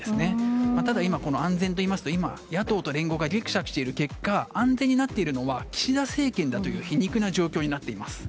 ただ今、安全といいますと野党と連合がぎくしゃくしている結果安全になっているのは岸田政権だという皮肉な状況になっています。